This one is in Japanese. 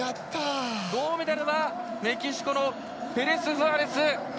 銅メダルはメキシコのペレスフアレス。